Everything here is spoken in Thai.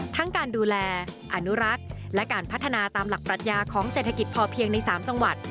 การดูแลอนุรักษ์และการพัฒนาตามหลักปรัชญาของเศรษฐกิจพอเพียงใน๓จังหวัด